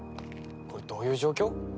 これどういう状況？